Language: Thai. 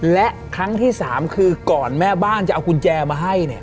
และครั้งที่๓คือก่อนแม่บ้านจะเอากุญแจมาให้เนี่ย